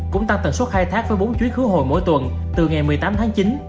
cũng tăng tần suốt khai thác với bốn chiếc hứa hội mỗi tuần từ ngày một mươi tám tháng chín